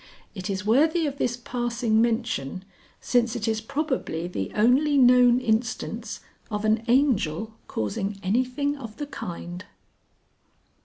It is worthy of this passing mention, since it is probably the only known instance of an Angel causing anything of the kind.